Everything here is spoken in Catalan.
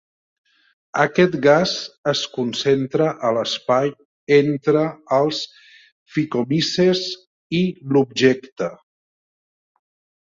Aquest gas es concentra a l'espai entre els phycomyces i l'objecte.